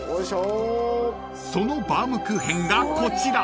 ［そのバウムクーヘンがこちら］